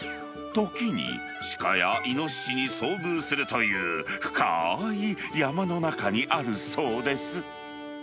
時に、鹿やイノシシに遭遇するという、深ーい山の中にあるそうです。